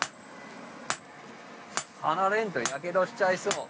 離れんとやけどしちゃいそう。